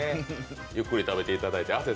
ゆっくり食べていただいて。